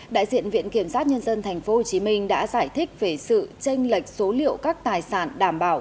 đại diện viện kiểm sát nhân dân tp hcm đã giải thích về sự tranh lệch số liệu các tài sản đảm bảo